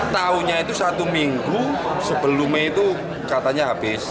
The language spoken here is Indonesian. tahunya itu satu minggu sebelumnya itu katanya habis